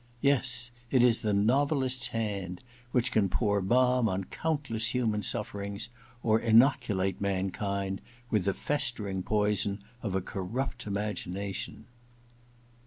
... Yes, it is the novelist's hand which can pour balm on countless human suflTerings, or inoculate man kind with the festering poison of a corrupt imagination.